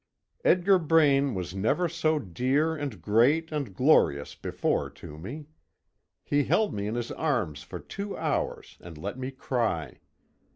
Edgar Braine was never so dear and great and glorious before to me. He held me in his arms for two hours and let me cry.